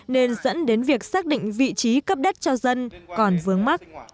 nên dẫn đến việc xác định vị trí cấp đất